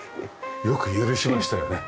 よく許しましたよね。